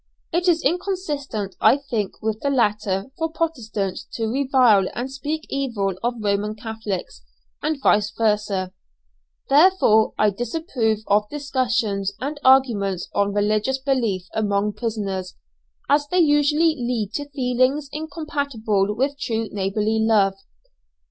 It is inconsistent, I think, with the latter, for Protestants to revile and speak evil of Roman Catholics, and vice versâ, therefore I disapprove of discussions and arguments on religious belief among prisoners, as they usually lead to feelings incompatible with true neighbourly love."